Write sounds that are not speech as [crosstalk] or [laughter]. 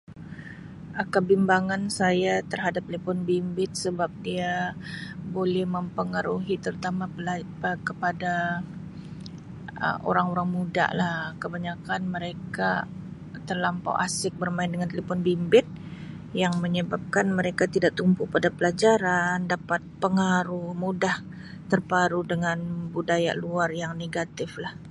Um Kebimbangan saya terhadap telepon bimbit sebab dia boleh mempengaruhi terutama [unintelligible] kepada Um orang-orang muda lah, kebanyakkan mereka terlampau asik bermain dengan telepon bimbit yang menyebabkan mereka tidak tumpu pada pelajaran, dapat pengaruh, mudah terpengaruh dengan budaya luar yang negatif lah.